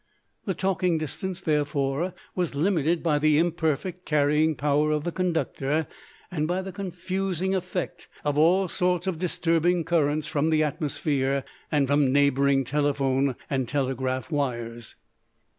The talking distance, therefore, was limited by the imperfect carrying power of the conductor and by the confusing effect of all sorts of disturbing currents from the atmosphere and from neighboring telephone and telegraph wires.